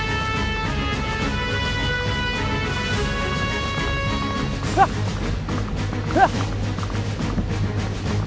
aku bisa menggunakan kuda ini untuk berangkat ke kudus